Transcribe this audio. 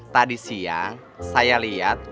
tadi siang saya liat